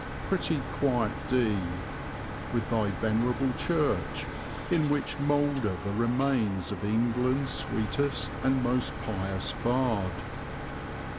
Pretty quiet D , with thy venerable church in which moulder the remains of England's sweetest and most pious bard."